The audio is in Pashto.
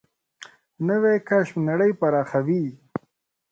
نوې کشف نړۍ پراخوي